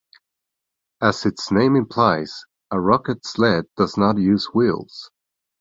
As its name implies, a rocket sled does not use wheels.